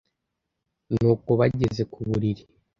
Ni uko bageze ku buriri